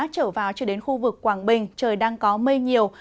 trở vào cho đến khu vực quảng bình trời đang có mây nhiều